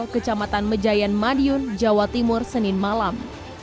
kecamatan mejayan madiun jawa timur senin malam